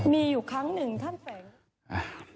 มีอยู่ครั้งหนึ่งท่านแฝง